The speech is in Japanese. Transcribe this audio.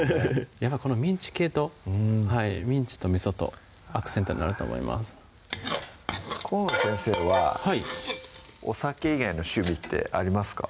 やっぱりこのミンチ系とミンチと味とアクセントになると思います河野先生ははいお酒以外の趣味ってありますか？